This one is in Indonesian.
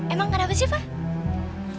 emang kenapa sih pak